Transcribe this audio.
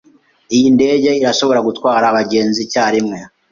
Iyi ndege irashobora gutwara abagenzi icyarimwe.